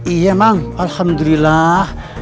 iya mang alhamdulillah